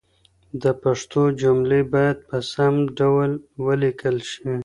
د پښتو جملې باید په سم ډول ولیکل شي.